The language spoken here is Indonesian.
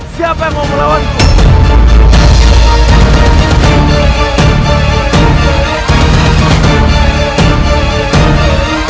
siapa yang mau melawan ku